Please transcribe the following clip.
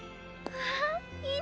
わあ。